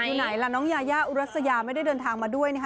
อยู่ไหนล่ะน้องยายาอุรัสยาไม่ได้เดินทางมาด้วยนะคะ